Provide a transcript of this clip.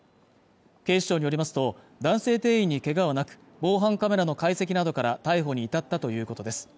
警視庁によりますと男性店員にけがはなく防犯カメラの解析などから逮捕に至ったということです